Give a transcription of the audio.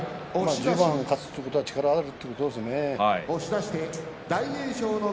１０番勝つということは力があるということですね。